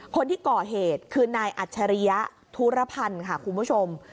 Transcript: คนที่ก่อเหตุคือนายอัจฉริยะธุรพันธ์ค่ะคุณผู้ชม